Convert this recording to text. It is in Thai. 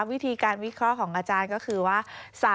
วิธีการวิเคราะห์ของอาจารย์ก็คือว่า